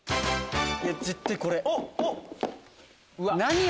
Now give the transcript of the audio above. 絶対これ！